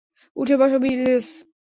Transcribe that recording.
উঠে বসো, লিস।